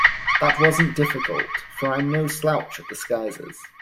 That wasn’t difficult, for I’m no slouch at disguises.